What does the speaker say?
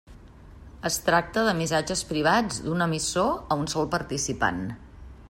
Es tracta de missatges privats d'un emissor a un sol participant.